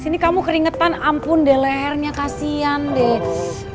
sini kamu keringetan ampun deh lehernya kasihan deh